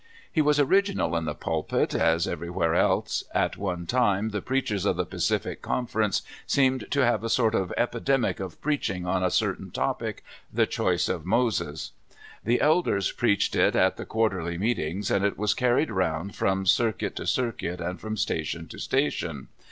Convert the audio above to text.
He was original in the pulpit, as everywhere else. At one time tne preachers of the Pacitic Conference seemed to have a sort of epidemic of preaching on a certain topic; "The Choice of Moses." The elders preached it at the quarterly meetings, and it was carried around from circuit to circuit and from station to station.